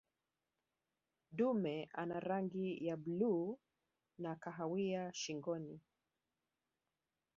dume ana rangi ya bluu na kahawia shingoni